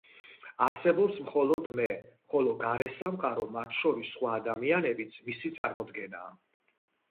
არსებობს მხოლოდ „მე“, ხოლო გარესამყარო, მათ შორის სხვა ადამიანებიც, მისი წარმოდგენაა.